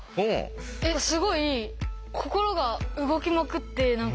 すごい心が動きまくって何か。